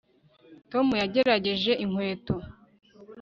Tom yagerageje inkweto